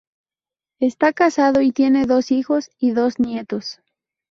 Está casado y tiene dos hijos y dos nietos.